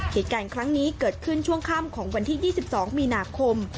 เหตุการณ์ครั้งนี้เกิดขึ้นช่วงค่ำของวันที่๒๒มีนาคม